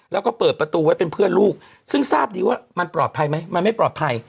แล้วก็เปิดประตูไว้เป็นเพื่อนลูกซึ่งทราบดีว่ามันปลอดภัยไหมมันไม่ปลอดภัย